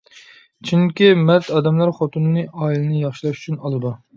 چۈنكى مەرد ئادەملەر خوتۇنىنى ئائىلىنى ياخشىلاش ئۈچۈن ئالىدۇ.